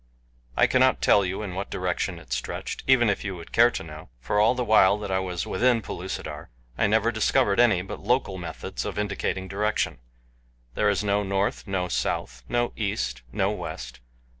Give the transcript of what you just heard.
I cannot tell you in what direction it stretched even if you would care to know, for all the while that I was within Pellucidar I never discovered any but local methods of indicating direction there is no north, no south, no east, no west.